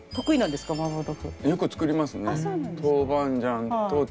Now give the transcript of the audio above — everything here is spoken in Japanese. よく作りますね。